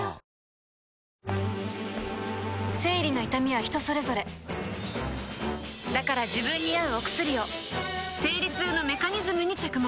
生理の痛みは人それぞれだから自分に合うお薬を生理痛のメカニズムに着目